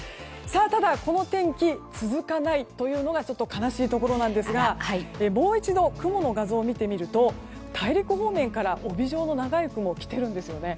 ただ、この天気続かないというのが、ちょっと悲しいところなんですがもう一度、雲の画像を見てみると大陸方面から帯状の長い雲が来てるんですよね。